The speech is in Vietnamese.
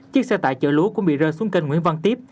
chiếc xe tải chở lúa cũng bị rơi xuống kênh nguyễn văn tiếp